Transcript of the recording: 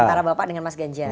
antara bapak dengan mas ganjar